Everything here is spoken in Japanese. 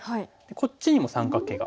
こっちにも三角形が。